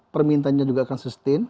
permintaannya juga akan sustain